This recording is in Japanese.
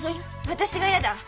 私が嫌だ！